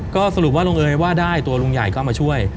ก็สรุปว่าลุงเอ๋ยว่าได้ตัวลุงใหญ่เข้ามาช่วย